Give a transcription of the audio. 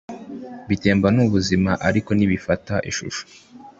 Bitemba nubuzima ariko ntibifata ishusho